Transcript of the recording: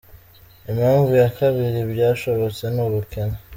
Impamvu ya kabiri byashobotse ni ubukene.